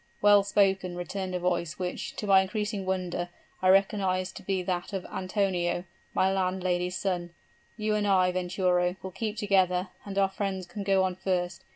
'Well spoken,' returned a voice which, to my increasing wonder, I recognized to be that of Antonio, my landlady's son; 'you and I, Venturo, will keep together, and our friends can go on first.